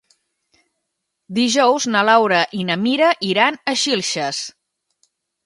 Dijous na Laura i na Mira iran a Xilxes.